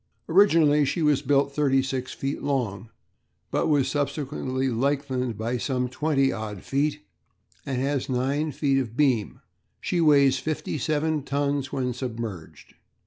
Originally she was built 36 feet long, but was subsequently lengthened by some 20 odd feet, and has 9 feet beam. She weighs fifty seven tons when submerged.